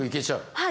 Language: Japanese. はい。